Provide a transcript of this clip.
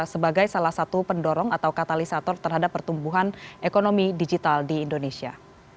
sebagai salah satu pendorong atau katalisator terhadap pertumbuhan ekonomi digital di indonesia